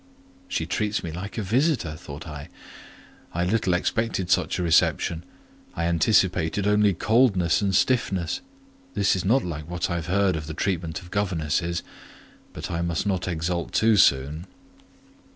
"She treats me like a visitor," thought I. "I little expected such a reception; I anticipated only coldness and stiffness: this is not like what I have heard of the treatment of governesses; but I must not exult too soon."